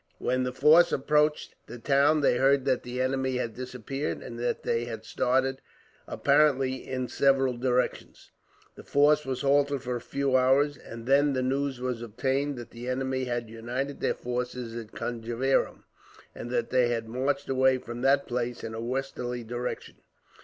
When the force approached the town they heard that the enemy had disappeared, and that they had started, apparently, in several directions. The force was halted for a few hours, and then the news was obtained that the enemy had united their forces at Conjeveram, and that they had marched away from that place in a westerly direction.